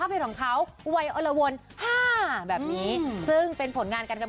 เออนี่เลยนะคะ